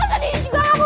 tapi didi gak mau